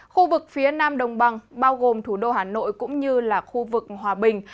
khu vực phía nam đồng bằng bao gồm thủ đô hà nội cũng như là khu vực hòa bình